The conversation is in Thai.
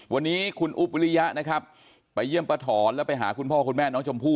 วันนี้คุณอุ๊บวิริยะนะครับไปเยี่ยมป้าถอนแล้วไปหาคุณพ่อคุณแม่น้องชมพู่